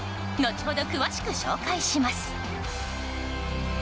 後ほど詳しく紹介します。